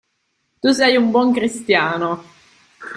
Tu sei un buon cristiano.